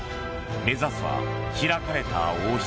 目指すは開かれた王室。